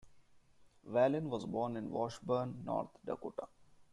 Wallin was born in Washburn, North Dakota.